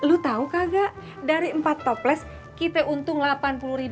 lo tau kagak dari empat toples kita untung rp delapan puluh